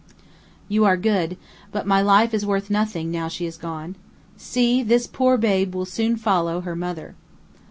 "You are good, but my life is worth nothing, now she has gone. See, this poor babe will soon follow her mother.